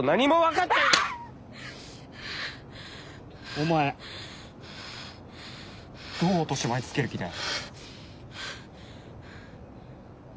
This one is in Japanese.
お前どう落とし前つける気だよ？